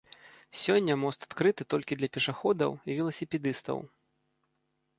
Сёння мост адкрыты толькі для пешаходаў і веласіпедыстаў.